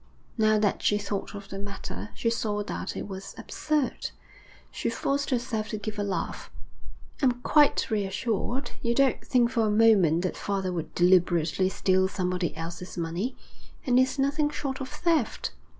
Now that she thought of the matter, she saw that it was absurd. She forced herself to give a laugh. 'I'm quite reassured. You don't think for a moment that father would deliberately steal somebody else's money. And it's nothing short of theft.'